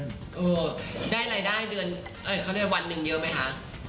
เออได้ไรเดือนวันหนึ่งเยอะไหมคะ